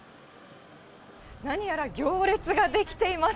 何やら行列が出来ています。